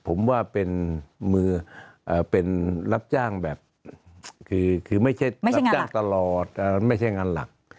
ผมว่าเป็นมือเป็นรับจ้างแบบคือไม่ใช่รับจ้างตลอดไม่ใช่งานหลัก